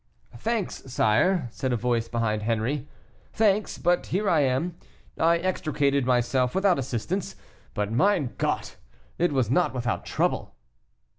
"Thanks, sire," said a voice behind Henri; "thanks, but here I am; I extricated myself without assistance; but, mein Gott! it was not without trouble."